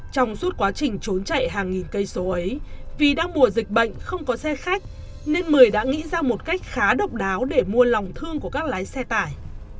trong suốt quá trình trốn chạy hàng nghìn cây số ấy vì đang mùa dịch bệnh không có xe khách nên mười đã nghĩ ra một cách khá độc đáo để mua lòng thương của các lái xe tải